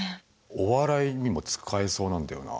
お笑いにも使えそうなんだよな。